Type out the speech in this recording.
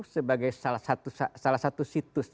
sebagai salah satu situs